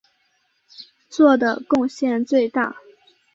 做的贡献最大。